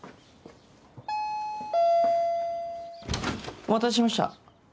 お待たせしました。